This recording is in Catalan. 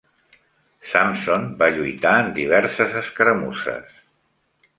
Sampson va lluitar en diverses escaramusses.